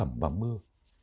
ẩm và mưa